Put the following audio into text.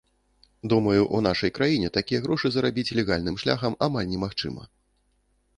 Думаю, у нашай краіне, такія грошы зарабіць легальным шляхам амаль немагчыма.